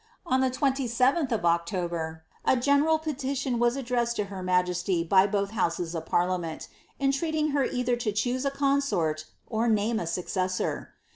On the 27th of October, a general petition was ad <lreised to her majesty by both houses of parliament, entreating her cither to choose a consort or name a successor.